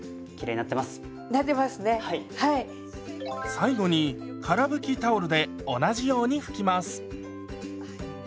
最後にから拭きタオルで同じように拭きます。